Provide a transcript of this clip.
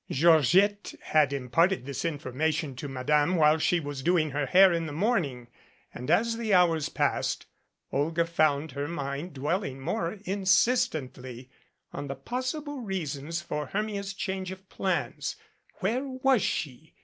Georgette had imparted this information to Madame while she was doing her hair in the morning, and as the hours passed Olga found her mind dwelling more insist ently on the possible reasons for Hermia's change of plans. Where was she?